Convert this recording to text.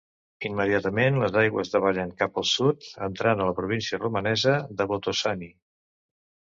Immediatament les aigües davallen cap al sud, entrant a la província romanesa de Botoşani.